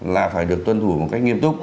là phải được tuân thủ một cách nghiêm túc